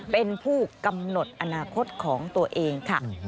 เป็นผู้กำหนดอนาคตของตัวเองค่ะ